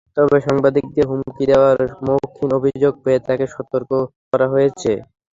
তবে সাংবাদিকদের হুমকি দেওয়ার মৌখিক অভিযোগ পেয়ে তাঁকে সতর্ক করা হয়েছে।